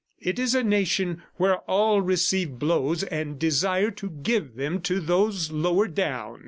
"It is a nation where all receive blows and desire to give them to those lower down.